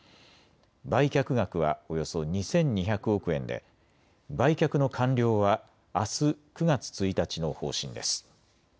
売却額はおよそ２２００億円で売却の完了はあす、９月１日の方針です。